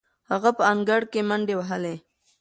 هغه په انګړ کې منډې وهلې.